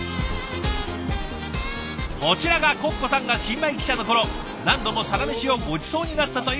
こちらがコッコさんが新米記者の頃何度もサラメシをごちそうになったという場所。